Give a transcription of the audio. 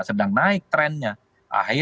sedang naik trennya ahy